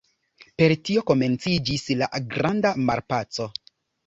Per tio komenciĝis la Granda Malpaco.